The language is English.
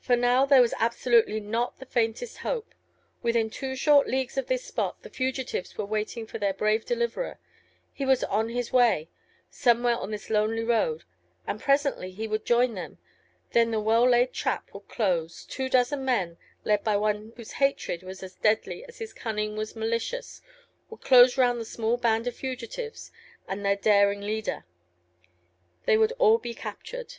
For now there was absolutely not the faintest hope. Within two short leagues of this spot, the fugitives were waiting for their brave deliverer. He was on his way, somewhere on this lonely road, and presently he would join them; then the well laid trap would close, two dozen men, led by one whose hatred was as deadly as his cunning was malicious, would close round the small band of fugitives, and their daring leader. They would all be captured.